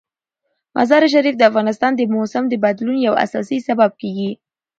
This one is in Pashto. مزارشریف د افغانستان د موسم د بدلون یو اساسي سبب کېږي.